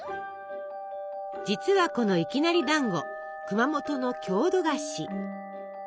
実はこのいきなりだんご熊本の郷土菓子。